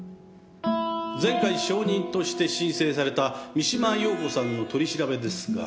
前回証人として申請された三島陽子さんの取り調べですが。